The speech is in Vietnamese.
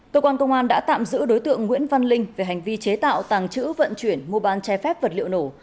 cơ quan công an đã tạm giữ đối tượng nguyễn văn linh về hành vi chế tạo tàng trữ vận chuyển mua bán che phép vật liệu nổ